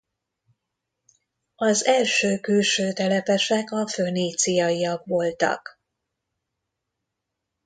Az első külső telepesek a föníciaiak voltak.